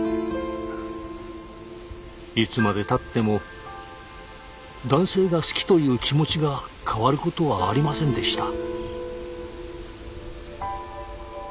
いつまでたっても男性が好きという気持ちが変わることはありませんでした。